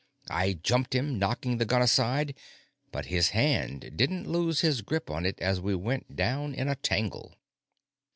I jumped him, knocking the gun aside, but his hand didn't lose his grip on it as we went down in a tangle.